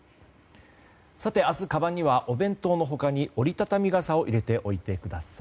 明日、かばんにはお弁当の他に折り畳み傘を入れておいてください。